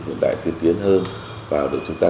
hiện đại tiên tiến hơn và được chúng ta